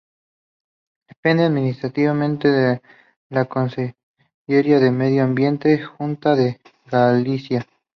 Depende administrativamente de la "Consellería de Medio Ambiente", Xunta de Galicia.